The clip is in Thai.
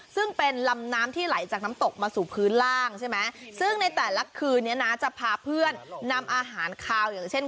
ซึ่งเป็นลำน้ำที่ไหลจากน้ำตกมาสู่พื้นล่างใช่ไหมซึ่งในแต่ละคืนนี้นะจะพาเพื่อนนำอาหารคาวอย่างเช่น